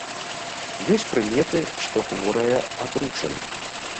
Ёсць прыметы, што хворая атручана.